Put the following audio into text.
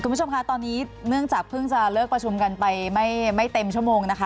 คุณผู้ชมคะตอนนี้เนื่องจากเพิ่งจะเลิกประชุมกันไปไม่เต็มชั่วโมงนะคะ